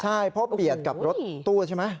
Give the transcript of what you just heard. ใช่เพราะเบียดกับรถตู้ใช่ไหม